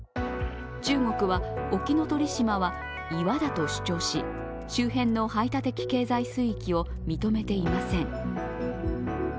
中国は沖の鳥島は岩だと主張し、周辺の排他的経済水域を認めていません。